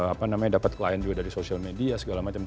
apa namanya dapat klien juga dari sosial media segala macam